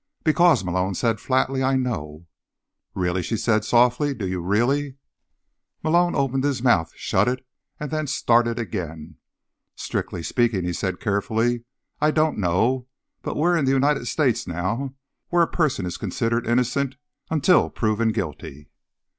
"Because," Malone said flatly, "I know." "Really?" she said softly. "Do you really?" Malone opened his mouth, shut it and then started again. "Strictly speaking," he said carefully, "I don't know. But we're in the United States now, where a person is considered innocent until proven guilty."